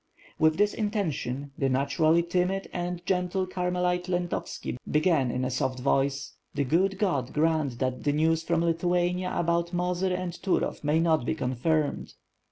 With this intention, the naturally timid and gentle Car melite Lento vski began in a soft voice: "The good God grant that the news from Lithuania about Mozyr and Turov may not be confirmed."